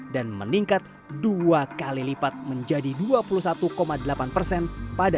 dan meningkat dua kali lipat menjadi dua puluh satu delapan persen pada dua ribu delapan belas